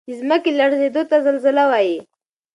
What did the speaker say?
د ځمکې لړزیدو ته زلزله وایي